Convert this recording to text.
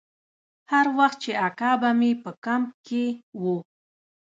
هر وخت چې اکا به مې په کمپ کښې و.